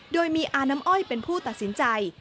โดยมีอาน้ำอ้อยเป็นผู้ตัดสินใจ